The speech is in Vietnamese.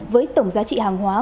với tổng giá trị hàng hóa